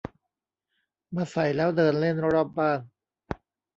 มาใส่แล้วเดินเล่นรอบบ้าน